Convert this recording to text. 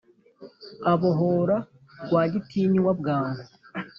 abohora rwagitinywa bwangu